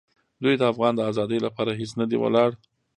دوی د افغان د آزادۍ لپاره هېڅ نه دي ولاړ.